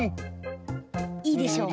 いいでしょ？